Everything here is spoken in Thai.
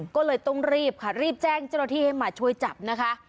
ก็เลยต้องรีบค่ะรีบแจ้งเจ้าหน้าที่ให้มาช่วยจับนะคะ